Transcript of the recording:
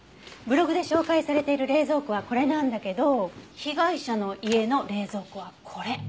ブログで紹介されている冷蔵庫はこれなんだけど被害者の家の冷蔵庫はこれ。